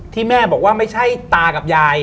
ที่แม่บอกว่าไม่ใช่ตากับยาย